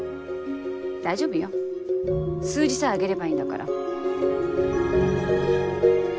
大丈夫よ数字さえ上げればいいんだから。